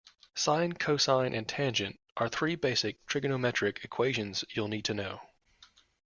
Sine, cosine and tangent are three basic trigonometric equations you'll need to know.